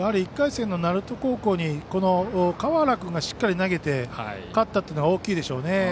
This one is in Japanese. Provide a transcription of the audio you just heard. １回戦の鳴門高校に川原君がしっかり投げて勝ったというのが大きいでしょうね。